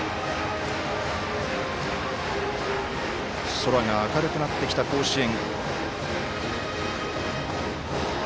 空が明るくなってきた甲子園。